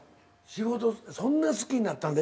仕事そんな好きになったん？